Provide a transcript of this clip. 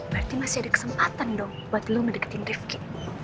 berarti masih ada kesempatan dong buat lo mendeketin ripki